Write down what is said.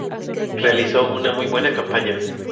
Realizó una muy buena campaña.